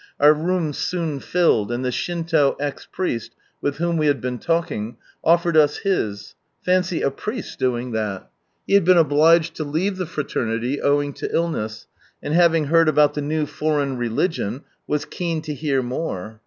Our room soon filled, and the Shinto ex priest with whom we had been talking, offered us his, fancy a.pricst doing that ! He had been obliged to leave the fraternity owing to illness, and having heard about the "new foreign religion" was keen to hear more.